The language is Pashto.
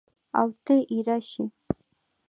اوته اېره شې!